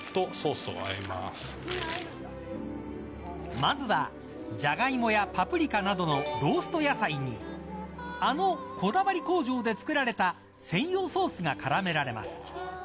まずはジャガイモやパプリカなどのロースト野菜にあのこだわり工場で作られた専用ソースがからめられます。